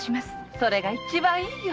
それが一番いいよ。